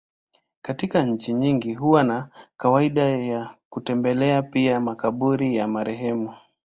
Katika nchi nyingi huwa na kawaida ya kutembelea pia makaburi ya marehemu.